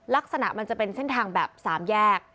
ลักษณะมันจะเป็นเส้นทางแบบ๓แยก